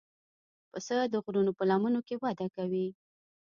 پسه د غرونو په لمنو کې وده کوي.